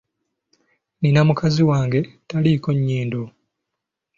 Nina mukazi wange taliiko nnyindo.